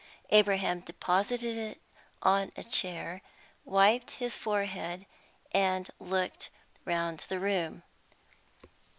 Abraham deposited it on a chair, wiped his forehead, and looked round the room.